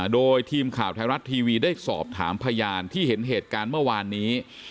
โดยทีมข่าวไทยรัฐทีวีได้สอบถามพยานที่เห็นเหตุการณ์เมื่อวานนี้